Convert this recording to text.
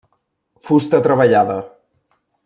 Fusta treballada.